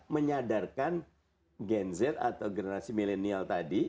menyadarkan gen z atau generasi milenial tadi